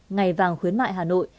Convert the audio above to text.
ngày vàng khuyến mại hà nội